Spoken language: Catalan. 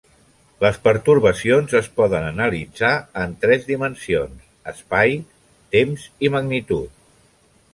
Les pertorbacions es poden analitzar en tres dimensions: espai, temps i magnitud.